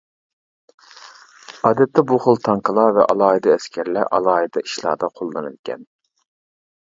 ئادەتتە بۇ خىل تانكىلار ۋە ئالاھىدە ئەسكەرلەر ئالاھىدە ئىشلاردا قوللىنىدىكەن.